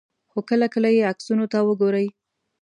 خو کله کله یې عکسونو ته وګورئ.